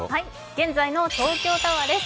現在の東京タワーです。